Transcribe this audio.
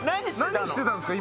何してたんですか？